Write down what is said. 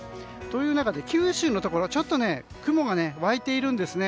という中で九州のところちょっと雲が湧いているんですね。